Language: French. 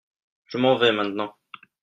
Je m'en vais maintenant.